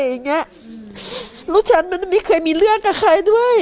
อย่างเงี้ยลูกฉันมันไม่เคยมีเรื่องกับใครด้วย